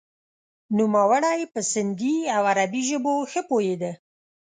نوموړی په سندهي او عربي ژبو ښه پوهیده.